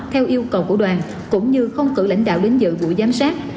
theo yêu cầu của đoàn cũng như không cử lãnh đạo đến dự buổi giám sát